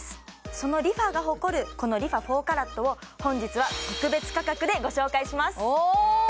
そのＲｅＦａが誇るこのＲｅＦａ４ＣＡＲＡＴを本日は特別価格でご紹介しますおお！